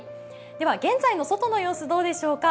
では現在の外の様子、どうでしょうか。